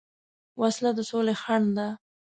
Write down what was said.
وسله د سولې خنډ ده